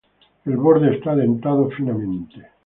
El borde está dentado finamente.